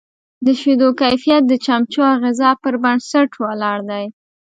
د شیدو کیفیت د چمچو او غذا پر بنسټ ولاړ دی.